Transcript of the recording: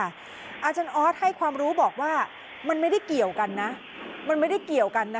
อาจารย์ออสให้ความรู้บอกว่ามันไม่ได้เกี่ยวกันนะคะ